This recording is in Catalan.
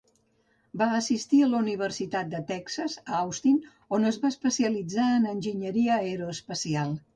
Va assistir a la Universitat de Texas a Austin, on es va especialitzar en enginyeria aeroespacial.